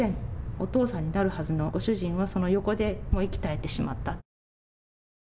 お父さんになるはずのご主人はその横で息絶えてしまった。